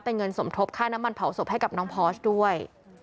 เป็นเงินสมทบค่าน้ำมันเผาศพให้กับน้องพอร์ชด้วย